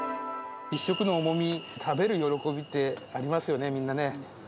１食のおもみ、食べる喜びってありますよね、みんなね。